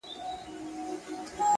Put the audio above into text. ستا په خاموشۍ کي هم کتاب کتاب خبري دي,